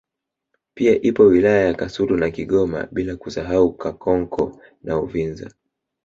Pia ipo wilaya ya Kasulu na Kigoma bila kusahau Kakonko na Uvinza